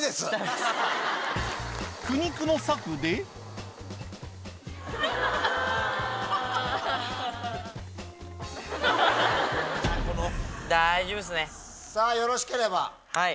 苦肉の策でさぁよろしければ。